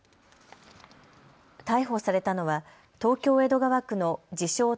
逮捕されたのは東京江戸川区の自称